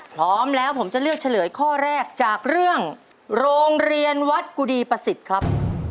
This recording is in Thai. พร้อมแล้วผมจะเลือกเฉลยข้อแรกจากเรื่องโรงเรียนวัดกุดีประสิทธิ์ครับ